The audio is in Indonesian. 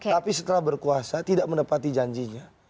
tapi setelah berkuasa tidak menepati janjinya